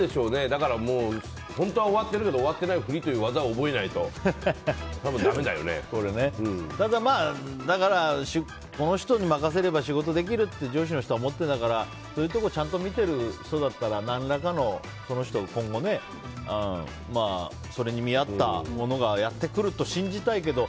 だから本当は終わってるけど終わってないふりという技を覚えないとだから、この人に任せれば仕事できるって上司の人は思ってたからそういうところをちゃんと見てる人だったら何らかの、その人の今後にそれに見合ったものがやってくると信じたいけど。